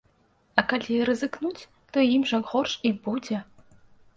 А калі рызыкнуць, то ім жа горш і будзе.